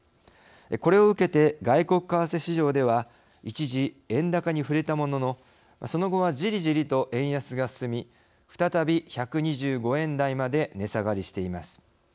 これを受けて、外国為替市場では一時、円高に振れたもののその後は、じりじりと円安が進み再び１２５円台まで値下がりしています。